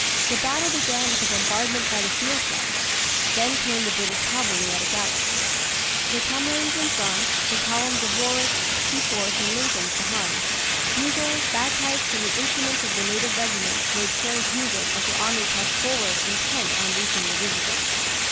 The battle began with a bombardment by the field guns. Then came the British cavalry at a gallop the Camerons in front, and columns of Warwicks, Seaforths, and Lincolns behind. Bugles, bagpipes, and the instruments of the native regiments made strange music as the army pressed forward intent on reaching the river bank.